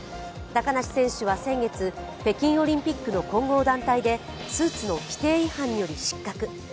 高梨選手は先月、北京オリンピックの混合団体でスーツの規定違反により失格。